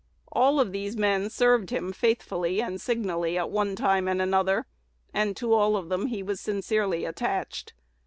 All of these men served him faithfully and signally at one time and another, and to all of them he was sincerely attached.